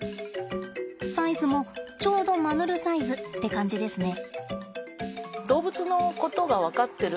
サイズも「ちょうどマヌルサイズ」って感じですね。